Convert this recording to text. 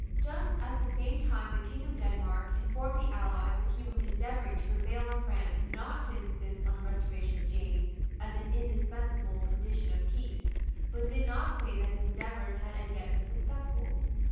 Just at the same time the King of Denmark informed the allies that he was endeavouring to prevail on France not to insist on the restoration of James as an indispensable condition of peace, but did not say that his endeavours had as yet been successful.